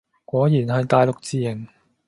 果然係大陸字形